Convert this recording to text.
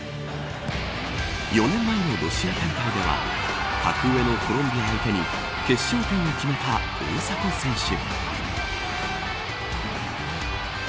４年前のロシア大会では格上のコロンビア相手に決勝点を決めた大迫選手。